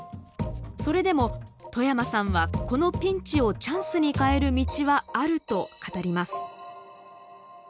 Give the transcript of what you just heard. それでも冨山さんはこのピンチをチャンスに変える道はあると語ります。